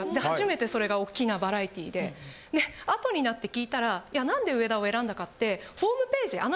初めてそれがおっきなバラエティでであとになって聞いたらいや何で上田を選んだかってホームページ